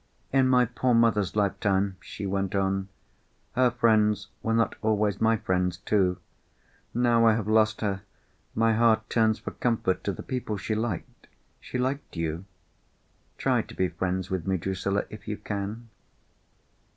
"In my poor mother's lifetime," she went on, "her friends were not always my friends, too. Now I have lost her, my heart turns for comfort to the people she liked. She liked you. Try to be friends with me, Drusilla, if you can."